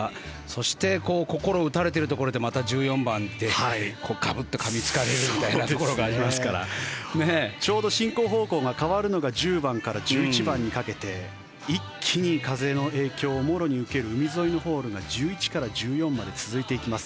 そして心を打たれているところでまた１４番でガブッとかみつかれるみたいなところがありますからちょうど進行方向が変わるのが１０番から１１番にかけて一気に風の影響をもろに受ける海沿いのホールが１１から１４まで続いていきます。